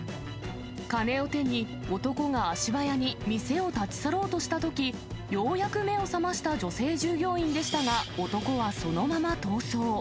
金を手に、男が足早に店を立ち去ろうとしたとき、ようやく目を覚ました女性従業員でしたが、男はそのまま逃走。